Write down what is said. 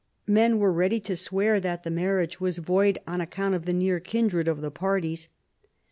Men were ready to swear that the marriage was void on account of the near kindred of the parties.